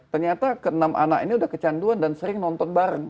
ternyata ke enam anak ini sudah kecanduan dan sering nonton bareng